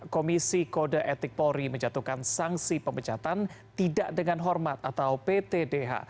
komisi kode etik polri menjatuhkan sanksi pemecatan tidak dengan hormat atau ptdh